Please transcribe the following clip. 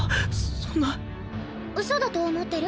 そんなウソだと思ってる？